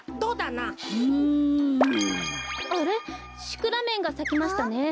シクラメンがさきましたね。